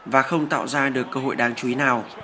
và không tạo ra được cơ hội đáng chú ý nào